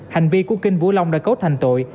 hành vi của kinh vũ long đã cấu thành tội